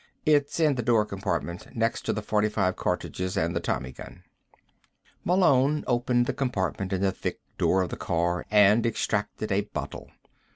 "It's in the door compartment, next to the forty five cartridges and the Tommy gun." Malone opened the compartment in the thick door of the car and extracted a bottle.